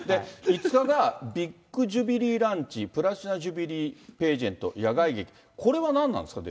５日がビッグジュビリーランチ、プラチナジュビリーページェントって野外劇、これは何なんですか